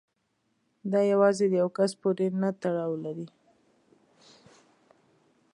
دا یوازې د یو کس پورې نه تړاو لري.